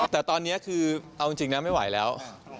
แต่ตอนนี้คือเอาจริงนะไม่ไหวแล้ว